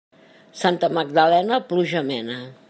Santa Magdalena, pluja mena.